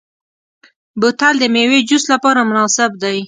بوتل د میوې جوس لپاره مناسب دی.